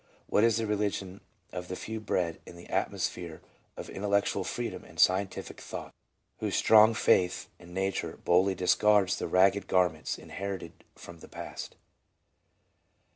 What is the religion of the few bred in the atmosphere of intel lectual freedom and scientific thought, whose strong faith in nature boldly discards the ragged garments inherited from the past